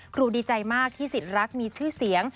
ครูดีใจมากที่สิทธิ์รักมีชื่อเสียง